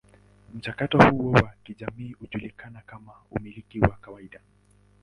Mchakato huu wa kijamii hujulikana kama umiliki wa kawaida.